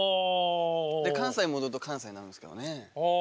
で関西戻ると関西になるんですけどね。